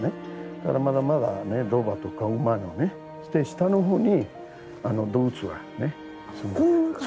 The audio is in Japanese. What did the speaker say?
だからまだまだロバとか馬のねで下の方に動物は住んでた。